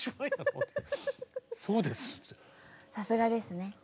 さすがですね。